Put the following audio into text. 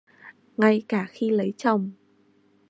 Ngay cả khi lấy chồng